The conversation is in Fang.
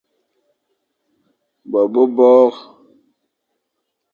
Bo be bôr, des hommes petits, ou peu.